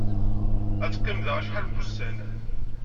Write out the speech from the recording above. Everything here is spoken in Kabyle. Ad teqqim da acḥal n wussan.